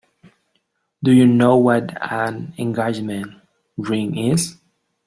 Do you know what an engagement ring is?